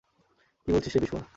কী বলছিস রে বিশওয়া?